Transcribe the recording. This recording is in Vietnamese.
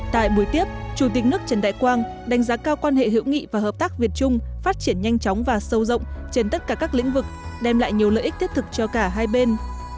tại buổi tiếp chủ tịch nước trần đại quang đánh giá cao quan hệ hữu nghị và hợp tác việt trung phát triển nhanh chóng và sâu rộng trên tất cả các lĩnh vực đem lại nhiều lợi ích thiết thực cho cả hai bên